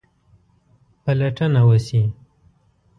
پلټنه وسي.